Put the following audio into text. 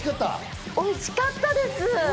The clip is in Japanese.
おいしかったです。